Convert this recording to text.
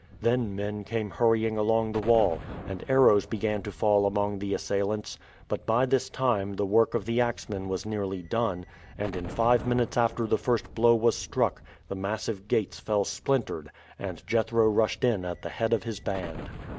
Then men came hurrying along the wall, and arrows began to fall among the assailants; but by this time the work of the axmen was nearly done, and in five minutes after the first blow was struck the massive gates fell splintered and Jethro rushed in at the head of his band.